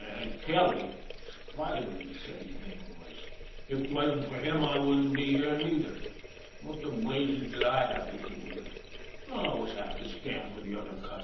An' Kelly, Spider he said his name was, if 'twasn't for him I wouldn't be here neither. What the blazes did / have to do with it? I always have to stand for the other cuss.